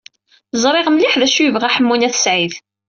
Ẓriɣ mliḥ d acu i yebɣa Ḥemmu n At Sɛid.